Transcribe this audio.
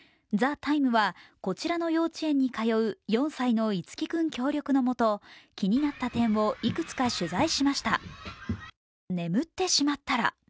「ＴＨＥＴＩＭＥ，」はこちらの幼稚園に通う４歳の樹輝君協力のもと、気になった点をいくつか取材しました。